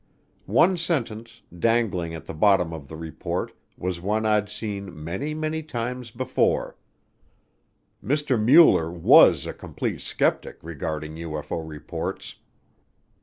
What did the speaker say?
One sentence, dangling at the bottom of the report was one I'd seen many, many times before: "Mr. Mueller was a complete skeptic regarding UFO reports."